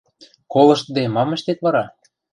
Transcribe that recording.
Колыштде, мам ӹштет вара?